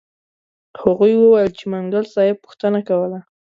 هغوی وویل چې منګل صاحب پوښتنه کوله.